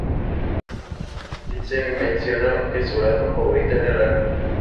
En se menciona que su arma favorita era el arco.